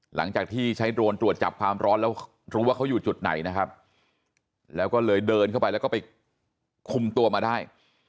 หลังจากที่ใช้โดรนตรวจจับความร้อนแล้วรู้ว่าเขาอยู่จุดไหนนะครับแล้วก็เลยเดินเข้าไปแล้วก็ไปคุมตัวมาได้